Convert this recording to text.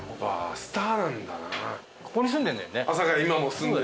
ここに住んでんだよね？